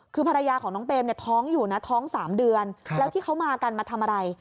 คือภรรยาของน้องเมมเนี่ยท้องอยู่นะท้อง๓เดือนแล้วที่เขามากันมาทำอะไร